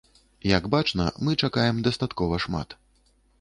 Як бачна, мы чакаем дастаткова шмат.